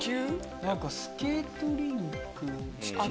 「スケートリンク」。